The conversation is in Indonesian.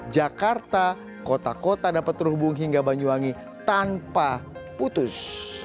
jakarta kota kota dapat terhubung hingga banyuwangi tanpa putus